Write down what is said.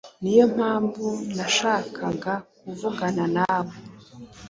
Niyo mpamvu nashakaga kuvugana nawe.